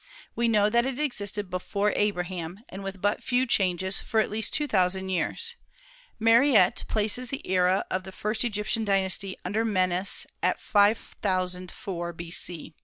We know that it existed before Abraham, and with but few changes, for at least two thousand years. Mariette places the era of the first Egyptian dynasty under Menes at 5004 B.C.